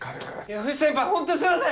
藤先輩ホントにすいません！